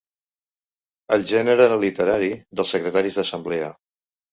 El gènere literari dels secretaris d'assemblea.